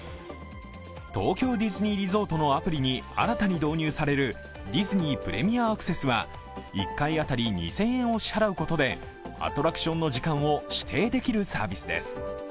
東京ディズニーリゾートのアプリに新たに導入されるディズニー・プレミアアクセスは１回当たり２０００円を支払うことでアトラクションの時間を指定できるサービスです。